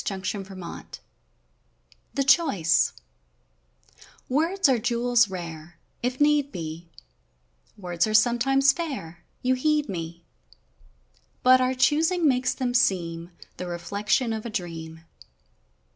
DAY DREAMS THE CHOICE Words are jewels rare — If need be Words are sometimes fair You heed me, But our choosing makes them seem The reflection of a dream.